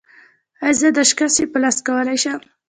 ایا زه دستکشې په لاس کولی شم؟